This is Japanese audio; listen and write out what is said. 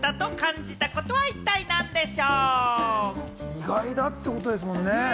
意外だってことですもんね？